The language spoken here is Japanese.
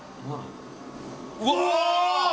うわ！